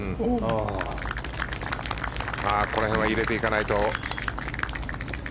この辺は入れていかないと。